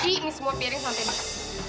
nih aku cip nih semua piring santai santai